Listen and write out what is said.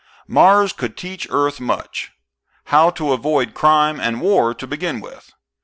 Mars could teach Earth much. How to avoid crime and war to begin with.